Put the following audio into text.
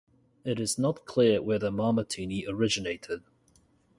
It is not clear where the Marmotini originated.